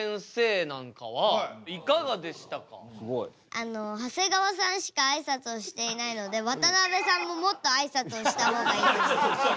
あの長谷川さんしかあいさつをしていないので渡辺さんももっとあいさつをした方がいいと思いました。